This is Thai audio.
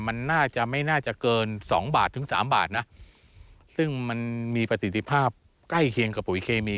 มันน่าจะไม่น่าจะเกินสองบาทถึงสามบาทนะซึ่งมันมีประสิทธิภาพใกล้เคียงกับปุ๋ยเคมี